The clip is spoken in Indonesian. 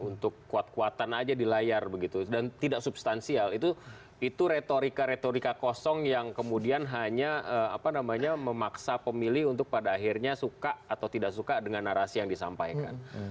untuk kuat kuatan aja di layar begitu dan tidak substansial itu retorika retorika kosong yang kemudian hanya memaksa pemilih untuk pada akhirnya suka atau tidak suka dengan narasi yang disampaikan